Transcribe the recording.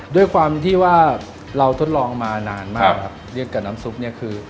ด้วยความที่ว่าเราทดลองมานานมากครับเรียกกับน้ำซุปเนี่ยคือ